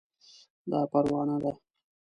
دا پروانه ده